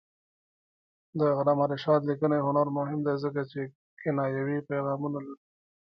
د علامه رشاد لیکنی هنر مهم دی ځکه چې کنایوي پیغامونه لري.